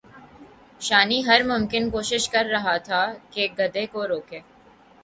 شانی ہر ممکن کوشش کر رہا تھا کہ گدھے کو روکے